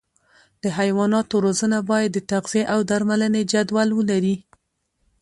د حیواناتو روزنه باید د تغذیې او درملنې جدول ولري.